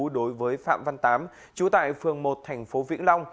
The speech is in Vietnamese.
đối với phạm văn tám chú tại phường một tp vĩnh long